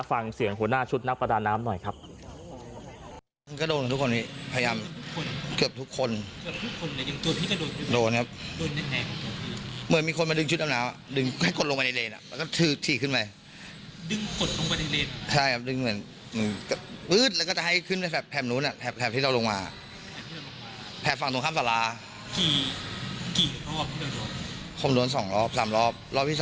ฟังเสียงหัวหน้าชุดนักประดาน้ำหน่อยครับ